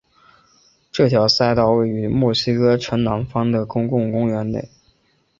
这条赛道位于墨西哥城南方的的公共公园内。